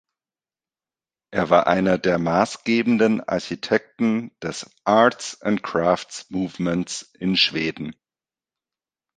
Er war einer der maßgebenden Architekten des Arts and Crafts Movements in Schweden.